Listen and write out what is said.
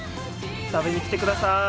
食べに来て下さい。